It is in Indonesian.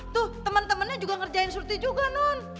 tuh temen temennya juga ngerjain survei juga non